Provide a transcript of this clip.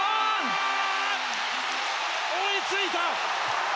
追いついた！